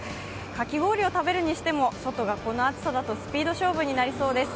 かき氷を食べるにしても、外がこの暑さだとスピード勝負になりそうです。